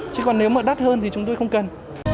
chứ còn nếu mà đắt hơn thì chúng tôi không cần